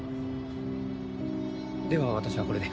では私はこれで。